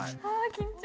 緊張！